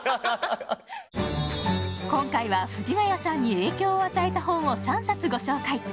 今回は藤ヶ谷さんに影響を与えた本を３冊ご紹介